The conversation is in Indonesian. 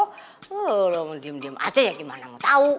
hmm lo mau diem diem aja ya gimana mau tahu